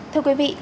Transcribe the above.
thưa quý vị